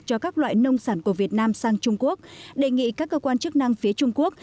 cho các loại nông sản của việt nam sang trung quốc đề nghị các cơ quan chức năng phía trung quốc